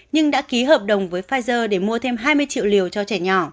nhưng đã ký hợp đồng với pfizer để mua thêm hai mươi triệu liều cho trẻ nhỏ